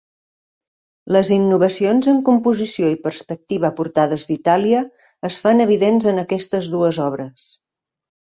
Les innovacions en composició i perspectiva portades d'Itàlia es fan evidents en aquestes dues obres.